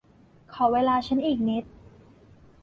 ขอเวลาฉันอีกนิด